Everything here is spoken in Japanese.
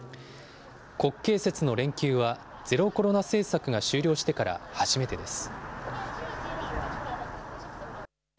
国慶節の連休は、ゼロコロナ政策が終了してから初めてです。